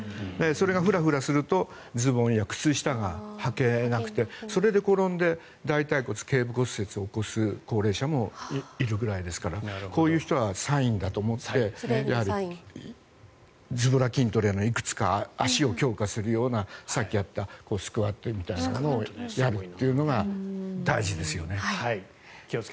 それがフラフラするとズボンや靴下がはけなくてそれで転んで大腿骨頸部骨折を起こす高齢者もいるぐらいですからこういう人はサインだと思ってずぼら筋トレのいくつか足を強化するようなさっきやったスクワットをやるのが大事ですね。